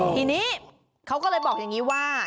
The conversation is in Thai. ทีนี้เขาก็เลยบอกอย่างนี้ว่า